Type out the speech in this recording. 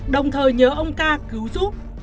đồng thời nhớ ông ca cứu giúp